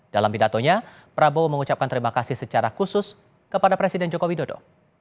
dalam pidatonya prabowo mengucapkan terima kasih secara khusus kepada presiden joko widodo